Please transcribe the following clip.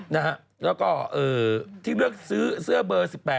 แล้วก็ที่เลือกซื้อเสื้อเบอร์๑๘